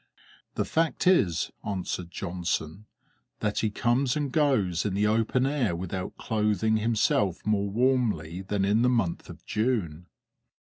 "The fact is," answered Johnson, "that he comes and goes in the open air without clothing himself more warmly than in the month of June."